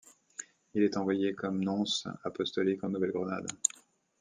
Il est envoyé comme nonce apostolique en Nouvelle-Grenade.